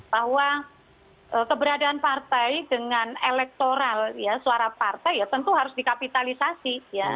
bahwa keberadaan partai dengan elektoral suara partai ya tentu harus dikapitalisasi